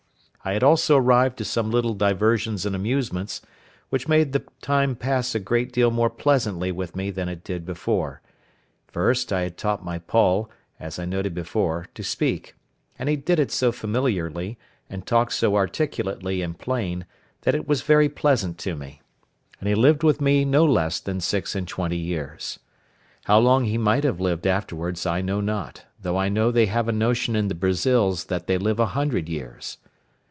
I had also arrived to some little diversions and amusements, which made the time pass a great deal more pleasantly with me than it did before—first, I had taught my Poll, as I noted before, to speak; and he did it so familiarly, and talked so articulately and plain, that it was very pleasant to me; and he lived with me no less than six and twenty years. How long he might have lived afterwards I know not, though I know they have a notion in the Brazils that they live a hundred years.